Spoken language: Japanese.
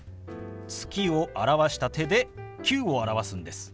「月」を表した手で「９」を表すんです。